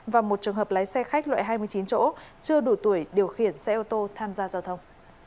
và một trường hợp lái xe khách loại hai mươi chín chỗ chưa đủ tuổi điều khiển xe ô tô tham gia giao thông